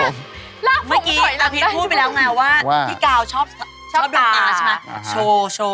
เมื่อกี้อาพีชพูดไปแล้วไงว่าพี่กาวชอบดูตาใช่ไหม